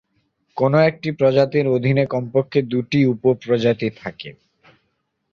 কোন একটি প্রজাতির অধীনে কমপক্ষে দু'টি উপপ্রজাতি থাকতে হবে।